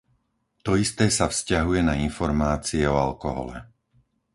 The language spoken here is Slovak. To isté sa vzťahuje na informácie o alkohole.